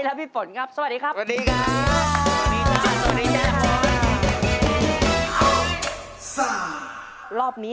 และพี่ฝนครับสวัสดีครับ